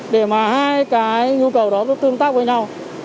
để mà hai cái nhu cầu đó nó tương tác với nhau